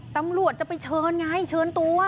ตำรวจจะไปเชิญไงเชิญตัว